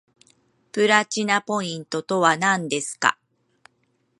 プラチナポイントとはなんですか